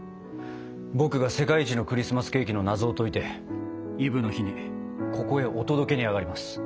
僕が世界一のクリスマスケーキの謎を解いてイブの日にここへお届けにあがります。